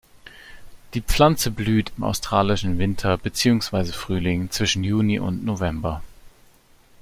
Die Pflanze blüht im australischen Winter beziehungsweise Frühling zwischen Juni und November.